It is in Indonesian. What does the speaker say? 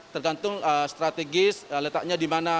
tergantung strategis letaknya di mana